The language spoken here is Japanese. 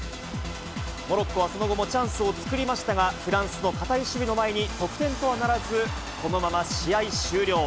モロッコはその後もチャンスを作りましたが、フランスの堅い守備の前に、得点とはならず、このまま試合終了。